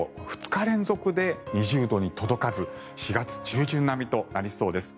２日連続で２０度に届かず４月中旬並みとなりそうです。